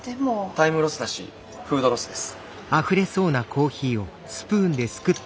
タイムロスだしフードロスです。